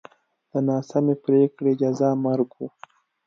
د ناسمې پرېکړې جزا مرګ و.